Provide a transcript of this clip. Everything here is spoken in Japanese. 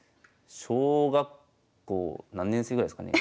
小学校何年生ぐらいですかね？